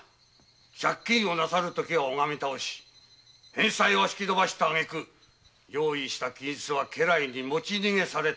借金なさる時は拝み倒し返済は引き延ばしたあげく用意した金子は家来に持ち逃げされたでございますか？